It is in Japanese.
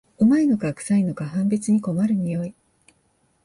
旨いのかくさいのか判別に困る匂い